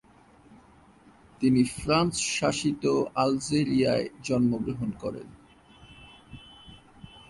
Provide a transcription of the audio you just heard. তিনি ফ্রান্স শাসিত আলজেরিয়ায় জন্মগ্রহণ করেন।